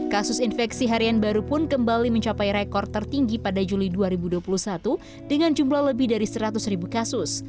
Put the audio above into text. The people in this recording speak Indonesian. kasus infeksi harian baru pun kembali mencapai rekor tertinggi pada juli dua ribu dua puluh satu dengan jumlah lebih dari seratus ribu kasus